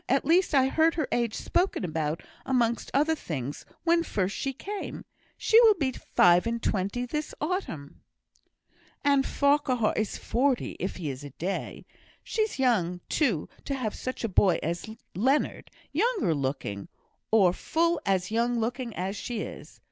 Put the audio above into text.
"At least, I heard her age spoken about, amongst other things, when first she came. She will be five and twenty this autumn." "And Farquhar is forty, if he is a day. She's young, too, to have such a boy as Leonard; younger looking, or full as young looking as she is!